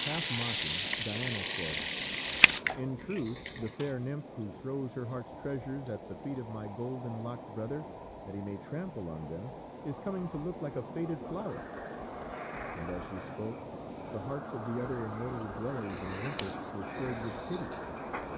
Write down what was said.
Half mocking, Diana said, "In truth the fair nymph who throws her heart's treasures at the feet of my golden locked brother that he may trample on them, is coming to look like a faded flower!" And, as she spoke, the hearts of the other immortal dwellers in Olympus were stirred with pity.